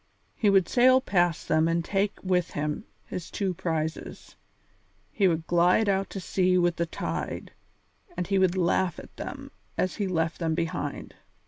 He would sail past them and take with him his two prizes; he would glide out to sea with the tide, and he would laugh at them as he left them behind.